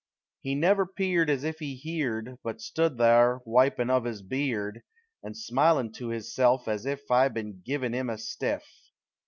He never 'peared as if he heerd, But stood thar, wipin' uv his beard, And smilin' to hisself as if I'd been a givin' him a stiff.